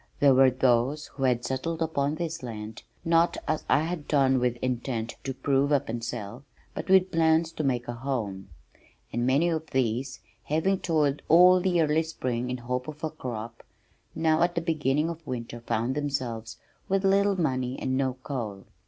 There were those who had settled upon this land, not as I had done with intent to prove up and sell, but with plans to make a home, and many of these, having toiled all the early spring in hope of a crop, now at the beginning of winter found themselves with little money and no coal.